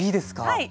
はい。